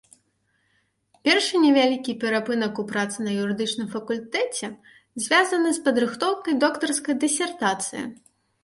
Першы невялікі перапынак у працы на юрыдычным факультэце звязаны з падрыхтоўкай доктарскай дысертацыі.